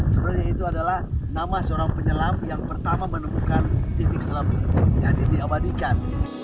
sebenarnya itu adalah nama seorang penyelam yang pertama menemukan titik selam seperti yang diabadikan